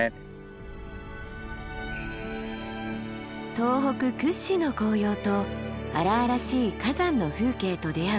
東北屈指の紅葉と荒々しい火山の風景と出会う安達太良山です。